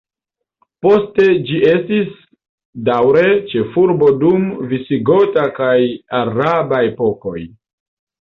Poste ĝi estis daŭre ĉefurbo dum visigota kaj araba epokoj.